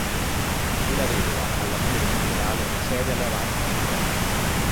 Una vedova, alla fine del funerale, cede alle avance di un uomo.